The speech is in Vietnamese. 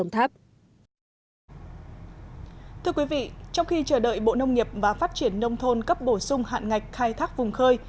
thưa quý vị trong khi chờ đợi bộ nông nghiệp và phát triển nông thôn cấp bổ sung hạn ngạch khai thác vùng khơi